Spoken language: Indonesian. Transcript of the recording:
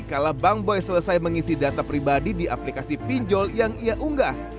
kala bang boy selesai mengisi data pribadi di aplikasi pinjol yang ia unggah